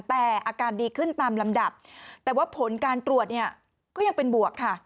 แต่อาการดีขึ้นตามลำดับแต่ว่าผลการตรวจเนี่ยก็ยังเป็นบวกค่ะ